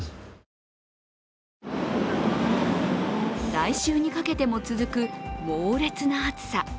来週にかけても続く猛烈な暑さ。